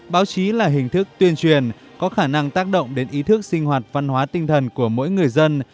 báo chí là hình thức tuyên truyền có khả năng tác động đến ý thức sinh hoạt văn hóa tinh thần của mỗi người dân